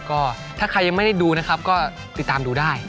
ก็ถ้าใครยังไม่ได้ดูนะครับก็ติดตามดูได้